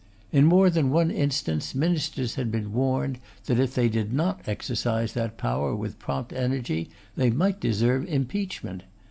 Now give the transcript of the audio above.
In more than one instance, ministers had been warned, that if they did not exercise that power with prompt energy, they might deserve impeachment.